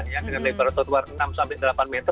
ya dengan lebar atau enam sampai delapan meter